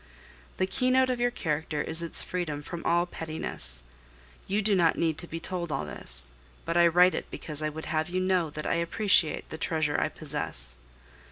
The keynote of your character is its freedom from all pettiness. You do not need to be told all this; but I write it because I would have you know that I appreciate the treasure I possess.